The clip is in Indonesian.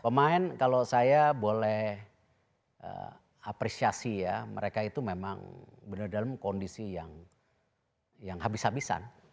pemain kalau saya boleh apresiasi ya mereka itu memang benar dalam kondisi yang habis habisan